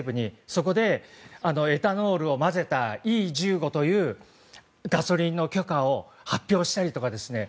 そこで、エタノールを混ぜたＥ１５というガソリンの許可を発表したりとかですね